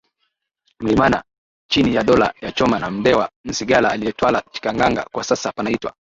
Milimani chini ya Dola ya Choma na Mndewa Msigala aliyetawala Chikangaga kwa sasa panaitwa